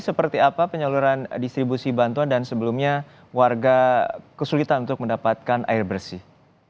seperti apa penyaluran distribusi bantuan dan sebelumnya warga kesulitan untuk mendapatkan air bersih